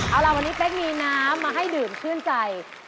เอาล่ะวันนี้เป๊กมีน้ำมาให้ดื่มชื่นใจ